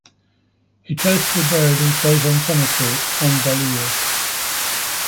He chose to be buried in Sauzon cemetery on Belle-Ile.